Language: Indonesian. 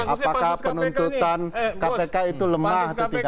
apakah penuntutan kpk itu lemah atau tidak